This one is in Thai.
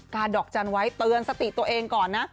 ดอกจันทร์ไว้เตือนสติตัวเองก่อนนะ